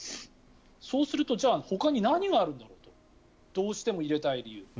そうするとほかに何があるのかとどうしても入れたい理由。